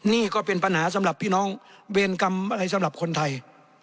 นี่ก็เป็นปัญหาสำหรับพี่น้องเวรกรรมอะไรสำหรับคนไทย